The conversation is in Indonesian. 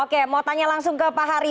oke mau tanya langsung ke pak hari